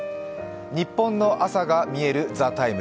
ニッポンの朝がみえる「ＴＨＥＴＩＭＥ，」